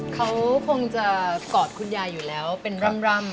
เขาคงจะกอดคุณยายอยู่แล้วเป็นร่ำ